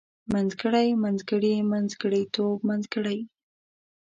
منځګړی منځګړي منځګړيتوب منځګړۍ